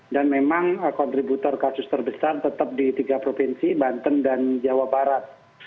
dan memang kontributor kasus terbesar tetap di tiga provinsi banten dan jawa barat